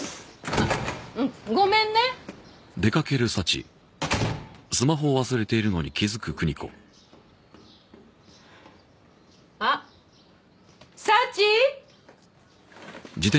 あっうんごめんねあっサチ！